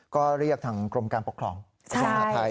ก็เรียกทางกรมการปกครองภาพไทย